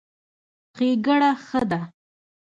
ښېګړه ښه ده.